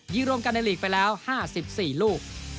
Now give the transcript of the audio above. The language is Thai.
ยิงรมกันในลีกไปแล้ว๕๔ลูก